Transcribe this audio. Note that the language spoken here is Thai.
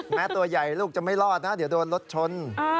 ตัวใหญ่ลูกจะไม่รอดนะเดี๋ยวโดนรถชน